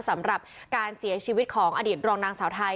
สำหรับการเสียชีวิตของอดีตรองนางสาวไทย